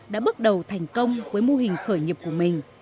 đã bước đầu thành công với mô hình khởi nghiệp của mình